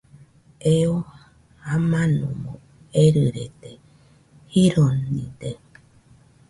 Eo jamanomo erɨrede, jironide